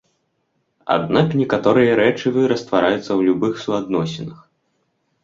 Аднак некаторыя рэчывы раствараюцца ў любых суадносінах.